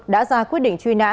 đã ra quyết định truy nã